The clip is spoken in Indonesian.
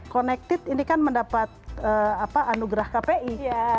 connected ini kan mendapat anugerah kpi